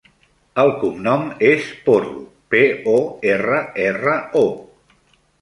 El cognom és Porro: pe, o, erra, erra, o.